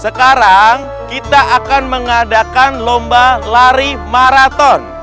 sekarang kita akan mengadakan lomba lari maraton